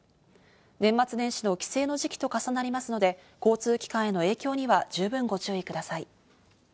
年末年始の帰省の時期と重なりますので交通機関への影響には十分ご注意ください。